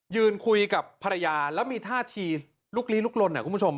ยืนคุยกับภรรยาแล้วมีท่าทีลุกลี้ลุกลนคุณผู้ชม